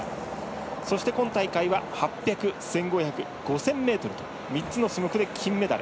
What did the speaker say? そして今大会は８００１５００ｍ、５０００ｍと３つの種目で金メダル。